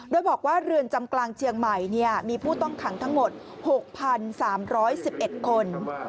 โดยบอกว่าเรือนจำกลางเชียงใหม่มีผู้ต้องขังทั้งหมด๖๓๑๑คน